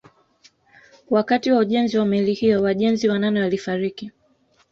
Wakati wa ujenzi wa meli hiyo wajenzi wanane walifariki